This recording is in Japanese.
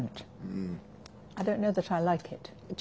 うん。